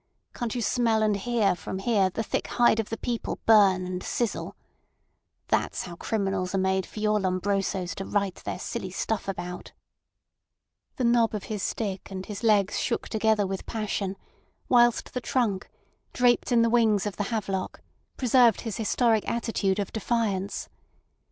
Can't you smell and hear from here the thick hide of the people burn and sizzle? That's how criminals are made for your Lombrosos to write their silly stuff about." The knob of his stick and his legs shook together with passion, whilst the trunk, draped in the wings of the havelock, preserved his historic attitude of defiance.